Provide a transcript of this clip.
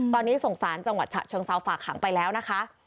ตอนนี้ส่งสารจังหวัดฉะเชิงเซาฝากขังไปแล้วนะคะ